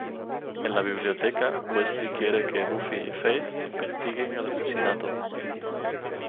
En la biblioteca, Wesley quiere que Buffy y Faith investiguen el asesinato.